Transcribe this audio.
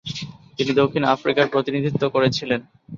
তিনি দক্ষিণ আফ্রিকার প্রতিনিধিত্ব করেছিলেন।